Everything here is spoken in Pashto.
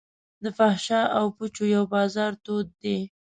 د فحاشا او پوچو یو بازار تود دی.